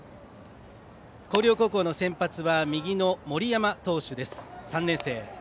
広陵高校の先発は右の森山投手、３年生。